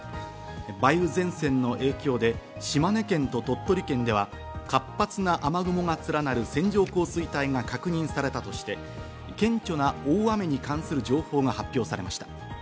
梅雨前線の影響で島根県と鳥取県では活発な雨雲が連なる線状降水帯が確認されたとして、顕著な大雨に関する情報が発表されました。